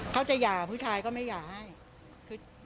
จะหย่าผู้ชายก็ไม่หย่าให้คือ